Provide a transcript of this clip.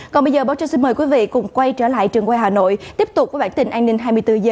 còn bây giờ báo chí xin mời quý vị cùng quay trở lại trường quay hà nội tiếp tục với bản tin an ninh hai mươi bốn h